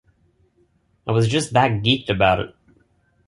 I was just that geeked about it.